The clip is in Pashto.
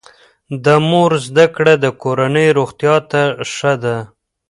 د مور زده کړه د کورنۍ روغتیا ته ښه ده.